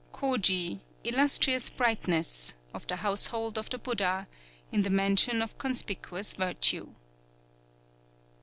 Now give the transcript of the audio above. _ _Koji, Illustrious Brightness, of the Household of the Buddha, in the Mansion of Conspicuous Virtue.